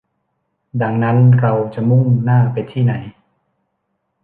ดังนั้นเราจะมุ่งหน้าไปที่ไหน